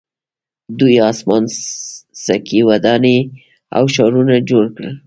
دوی اسمان څکې ودانۍ او ښارونه جوړ کړل.